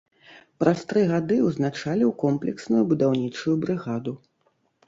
Праз тры гады ўзначаліў комплексную будаўнічую брыгаду.